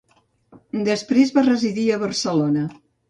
Després va residir a Barcelona.